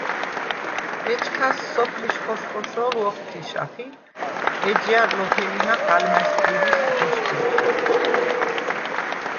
ეჩქას სოფლიშ ხოშ-ხოშოლუ ოხთიშახ ი ეჯჲა̈რ ლოჰელინახ ალმა̈სგირიშდ ღოშგიმხენ.